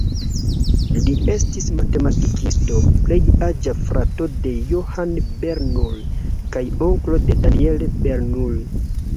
Li estis matematikisto, plej aĝa frato de Johann Bernoulli, kaj onklo de Daniel Bernoulli.